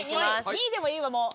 ２位でもいいわもう。